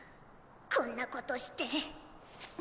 こんなことして。